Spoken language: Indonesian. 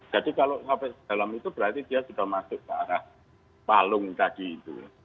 jadi kalau sampai ke dalam itu berarti dia sudah masuk ke arah palung tadi itu